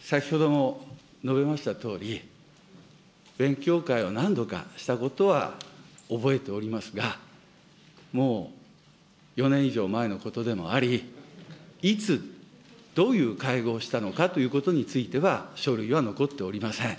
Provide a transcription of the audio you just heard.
先ほども述べましたとおり、勉強会は何度かしたことは覚えておりますが、もう４年以上前のことでもあり、いつ、どういう会合をしたのかということについては、書類は残っておりません。